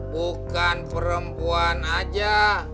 bukan perempuan aja